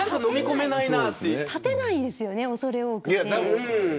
立てないですよね恐れ多くて。